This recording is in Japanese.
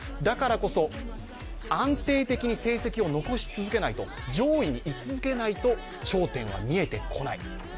だからこそ安定的に成績を残し続けないと上位にい続けないと頂点は見えてこない。